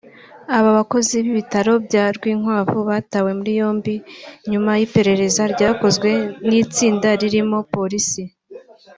Aba bakozi b’ibitaro bya Rwinkwavu batawe muri yombi nyuma y’iperereza ryakozwe n’itsinda ririmo polisi